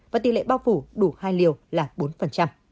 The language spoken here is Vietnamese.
và tỷ lệ bao phủ đủ hai liều là bốn